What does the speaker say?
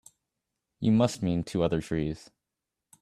You must mean two other trees.